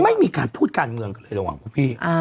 ไม่มีการพูดการเมืองกันเลยระหว่างพวกพี่